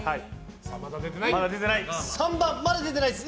まだ出てないです！